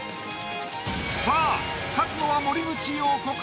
さぁ勝つのは森口瑤子か？